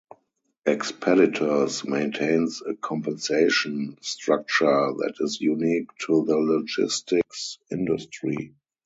Expeditors maintains a compensation structure that is unique to the logistics industry.